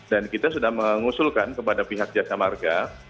dan kita sudah mengusulkan kepada pihak jasa marga